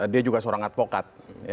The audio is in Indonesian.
dia juga seorang advokat